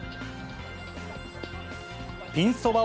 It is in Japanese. ピンそば